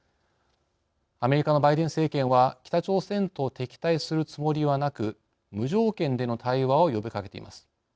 アメリカのバイデン政権は北朝鮮と敵対するつもりはなく無条件での対話を呼びかけています。